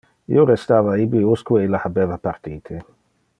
Io restava ibi usque ille habeva partite.